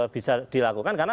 bisa dilakukan karena